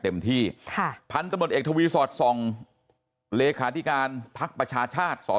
เต็มที่ค่ะพันธุ์ตะเมิดเอกทวีสอดส่องเลขาธิการภาคประชาชาติ